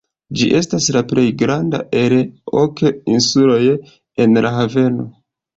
Ĝi estas la plej granda el ok insuloj en la haveno.